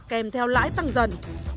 kèm theo lãi tăng dần